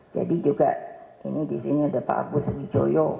jadi juga ini di sini sudah pak abu sediq joyo